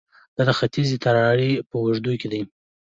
دا د ختیځې تراړې په اوږدو کې دي